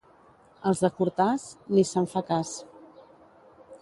Als de Cortàs, ni se'n fa cas.